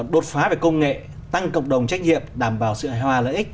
đột phá về công nghệ tăng cộng đồng trách nhiệm đảm bảo sự hài hòa lợi ích